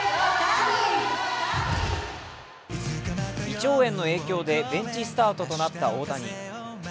胃腸炎の影響でベンチスタートとなった大谷。